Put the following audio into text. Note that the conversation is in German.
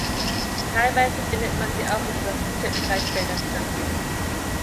Teilweise findet man sie auch in überfluteten Reisfeldern dieser Region.